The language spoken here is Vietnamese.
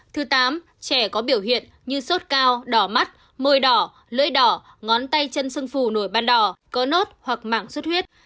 thứ tám trẻ có biểu hiện như sốt cao đỏ mắt môi đỏ lưỡi đỏ ngón tay chân sưng phù nổi ban đỏ có nốt hoặc mảng sốt huyết